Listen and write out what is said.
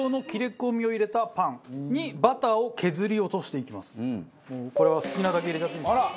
これは好きなだけ入れちゃっていいんですね。